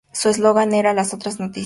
Su eslogan era "Las Otras Noticias".